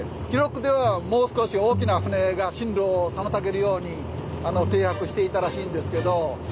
記録ではもう少し大きな船が進路を妨げるように停泊していたらしいんですけど。